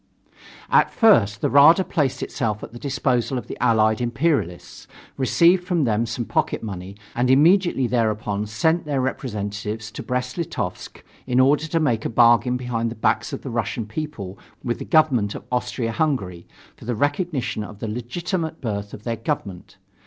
At first the Rada placed itself at the disposal of the Allied imperialists, received from them some pocket money, and immediately thereupon sent their representatives to Brest Litovsk in order to make a bargain behind the back of the Russian people with the government of Austria Hungary for the recognition of the legitimate birth of their government.